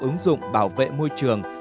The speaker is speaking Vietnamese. ứng dụng bảo vệ môi trường